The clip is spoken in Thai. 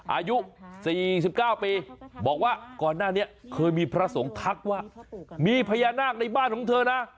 อายุ๔๙ปีบอกว่าก่อนหน้านี้เคยมีพระสงฆ์ทักว่ามีพญานาคในบ้านของเธอนะ